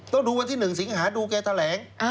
ต้องดูวันที่๑สิงหาดูแกแถลง